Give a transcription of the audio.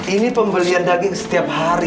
ini pembelian daging setiap hari